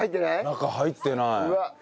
中入ってない。